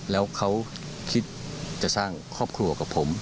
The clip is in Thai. แล้วเขาคิดจะสร้างครอบครัวกับผม